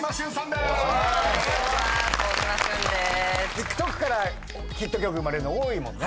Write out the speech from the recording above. ＴｉｋＴｏｋからヒット曲生まれるの多いもんね。